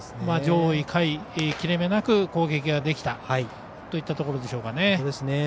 上位、下位切れ目なく攻撃ができたといったところでしょうか。